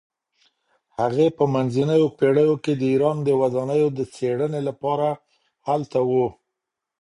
هغې په منځنیو پیړیو کې د ایران د ودانیو د څیړنې لپاره هلته وه.